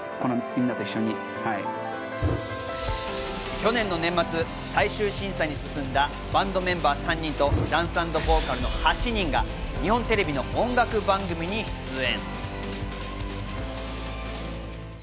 去年の年末、最終審査に進んだバンドメンバー３人と、ダンス＆ボーカルの８人が日本テレビの音楽番組に出演。